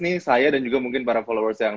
nih saya dan juga mungkin para followers yang